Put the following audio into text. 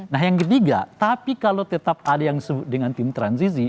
nah yang ketiga tapi kalau tetap ada yang disebut dengan tim transisi